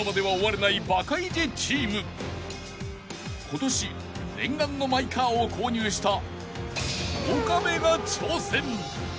［今年念願のマイカーを購入した岡部が挑戦］